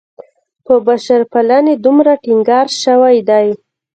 پر بشرپالنې دومره ټینګار شوی دی.